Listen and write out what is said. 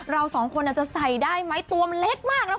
เราสองคนจะใส่ได้ไหมตัวมันเล็กมากนะคุณ